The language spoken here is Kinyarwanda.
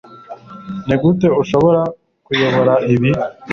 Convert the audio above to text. Nigute ushobora kuyobora ibi